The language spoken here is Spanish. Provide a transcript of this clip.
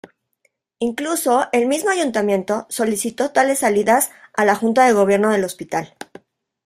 Incluso el mismo Ayuntamiento solicitó tales salidas a la Junta de Gobierno del Hospital.